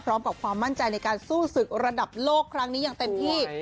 ความมั่นใจในการสู้ศึกระดับโลกครั้งนี้อย่างเต็มที่